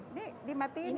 ini dimatikan ya